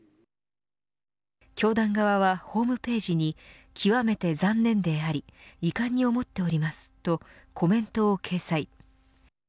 教団側はホームページに極めて残念であり遺憾に思っておりますとコメントを掲載。